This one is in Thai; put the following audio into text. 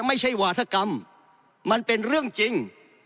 ไม่ใช่วาธกรรมมันเป็นเรื่องจริง